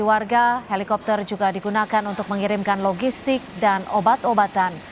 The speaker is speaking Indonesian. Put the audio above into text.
warga helikopter juga digunakan untuk mengirimkan logistik dan obat obatan